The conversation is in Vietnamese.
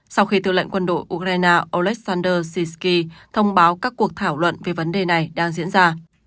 sau khi tư lệnh quân đội ukraine oleshander sisky thông báo các cuộc thảo luận về vấn đề này đang diễn ra